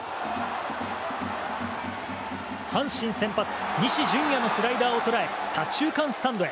阪神先発、西純矢のスライダーを捉え左中間スタンドへ。